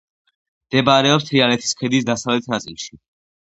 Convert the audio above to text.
მდებარეობს თრიალეთის ქედის დასავლეთ ნაწილში.